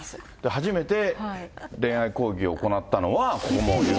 初めて恋愛講義を行ったのはここも有名大学。